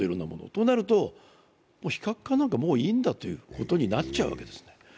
となると、もう非核化なんかいいんだということになっちゃうわけですね。